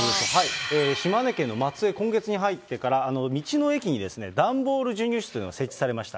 島根県の松江、今月に入ってから、道の駅にですね、段ボール授乳室というのが、設置されました。